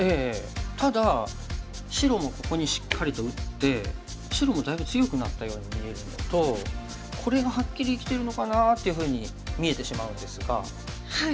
ただ白もここにしっかりと打って白もだいぶ強くなったように見えるのとこれがはっきり生きてるのかな？っていうふうに見えてしまうんですが。